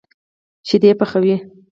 شيدې پخوي.